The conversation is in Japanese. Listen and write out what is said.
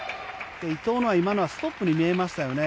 伊藤は今のはストップに見えましたよね。